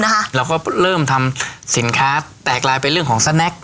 เราก็เริ่มทำสินค้าแตกลายไปเรื่องของสแนค